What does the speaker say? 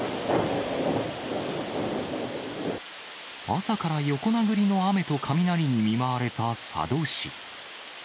朝から横殴りの雨と雷に見舞われた佐渡市。